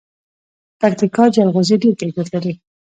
د پکتیکا جلغوزي ډیر کیفیت لري.